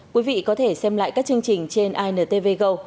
quý vị có thể xem lại các chương trình trên intv go